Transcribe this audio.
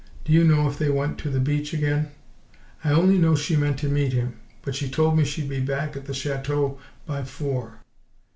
"Do you know if they went to the beach again?" "I only know she meant to meet him but she told me she'd be back at the chateau by four.